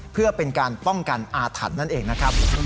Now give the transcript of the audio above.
เพื่อเป็นการป้องกันอาถรรพ์นั่นเองนะครับ